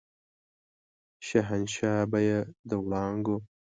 شهنشاه به يې د وړانګو